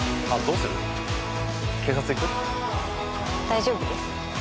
大丈夫です。